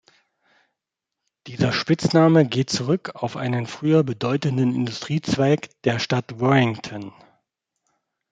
Dieser Spitzname geht zurück auf einen früher bedeutenden Industriezweig der Stadt Warrington.